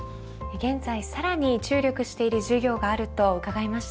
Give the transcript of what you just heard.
現在さらに注力している事業があると伺いました。